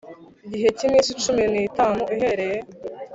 gihe cy iminsi cumi n itanu uhereye